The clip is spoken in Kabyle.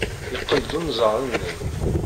Yeqqel-d unẓar-nni.